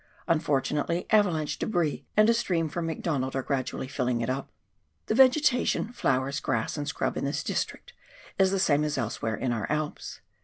Unfortunately, avalanche debris and a stream from McDonald are gradually filling it up. The vegetation, flowers, grass and scrub, in this district, is the same as elsewhere in our Alps.